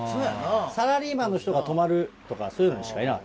サラリーマンの人が泊まるとかそういうのしかいなかった。